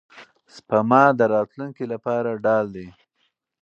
سپما د راتلونکي لپاره ډال دی.